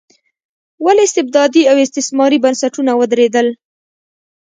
ولې استبدادي او استثماري بنسټونه ودرېدل.